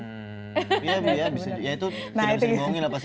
ya itu tidak bisa dibawahin lah pasti